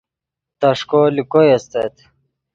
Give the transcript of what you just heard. تݰکو لے کوئے استت